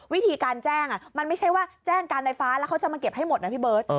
วิธีการแจ้งมันไม่ใช่ว่าแจ้งการไฟฟ้าแล้วเขาจะมาเก็บให้หมดนะพี่เบิร์ต